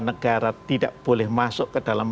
negara tidak boleh masuk ke dalam